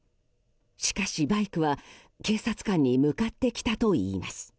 しかし、バイクは警察官に向かってきたといいます。